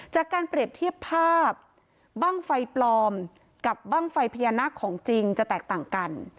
จากการเปรียบเทียบภาพบ้างไฟปลอมกับบ้างไฟพญานาคของจริงจะแตกต่างกัน